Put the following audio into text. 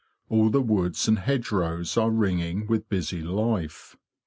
All the woods and hedgerows are ringing with busy life.